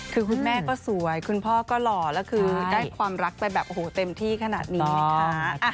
คือคุณแม่ก็สวยคุณพ่อก็หล่อแล้วคือได้ความรักไปแบบโอ้โหเต็มที่ขนาดนี้นะคะ